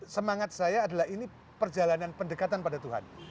semangat saya adalah ini perjalanan pendekatan pada tuhan